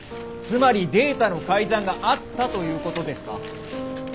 つまりデータの改ざんがあったということですか？